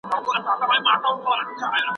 ستا مقاله تر هغه بلې مقالي ښه ده.